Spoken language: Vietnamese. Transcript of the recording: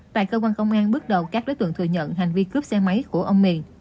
tại cơ quan công an bước đầu các đối tượng thừa nhận hành vi cướp xe máy của ông miền